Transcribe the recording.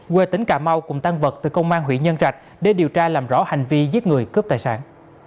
quê tỉnh cà mau cùng tăng vật từ công an huyện nhân trạch để điều tra làm rõ hành vi giết người cướp tài sản